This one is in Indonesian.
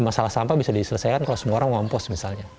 masalah sampah bisa diselesaikan kalau semua orang ngompos misalnya